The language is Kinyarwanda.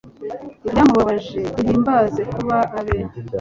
ibyamubabaje, duhimbaze kuba abe